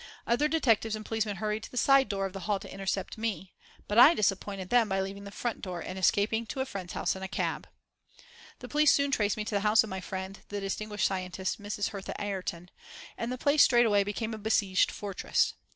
Other detectives and policemen hurried to the side door of the hall to intercept me, but I disappointed them by leaving by the front door and escaping to a friend's house in a cab. The police soon traced me to the house of my friend, the distinguished scientist, Mrs. Hertha Ayrton, and the place straightway became a besieged fortress.